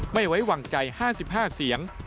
ไม่ไว้วางใจ๕๕เสียง